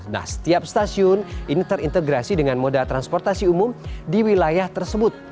nah setiap stasiun ini terintegrasi dengan moda transportasi umum di wilayah tersebut